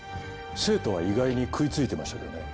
生徒は意外に食いついてましたけどね。